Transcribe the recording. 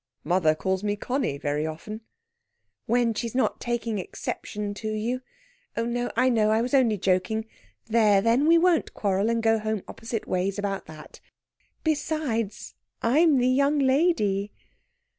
"Mother calls me Conny very often." "When she's not taking exception to you ... oh, no! I know. I was only joking ... there, then! we won't quarrel and go home opposite ways about that. Besides, I'm the young lady...."